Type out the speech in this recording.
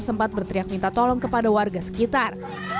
sempat berteriak minta tolong kepada warga sekitar